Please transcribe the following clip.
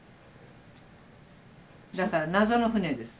だから謎の船です。